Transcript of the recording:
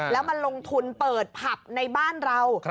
แล้วมาลงทุนเปิดผับในบ้านเรา